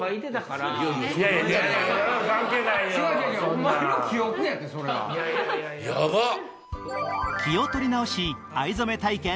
お前の記憶やでそれは。ヤバっ！